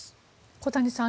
小谷さん